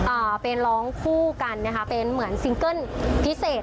อ่าเป็นร้องคู่กันนะคะเป็นเหมือนซิงเกิ้ลพิเศษ